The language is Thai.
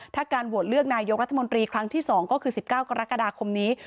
ถ้าการโหวตเลือกนายกรัฐมนตรีครั้งที่๒ก็คือ๑๙กรกฎาคมนี้